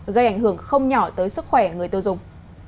gây ảnh hưởng không nhỏ tới sức khỏe người tiêu dùng